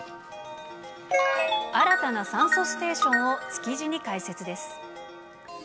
新たな酸素ステーションを築地に開設です。